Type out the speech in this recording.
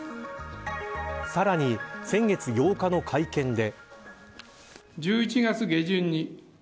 さらに先月８日の会見で。